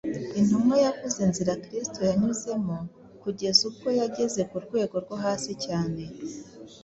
Intumwa yavuze inzira Kristo yanyuzemo kugeza ubwo yageze ku rwego rwo hasi cyane